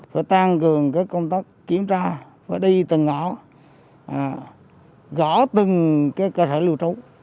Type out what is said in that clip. phải tăng cường cái công tác kiểm tra phải đi từng ngõ gõ từng cái cơ sở lưu trú